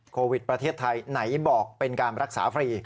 โควิดประเทศไทยไหนบอกเป็นการรักษาฟรี